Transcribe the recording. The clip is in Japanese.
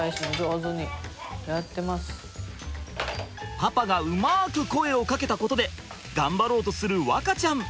パパがうまく声をかけたことで頑張ろうとする和花ちゃん。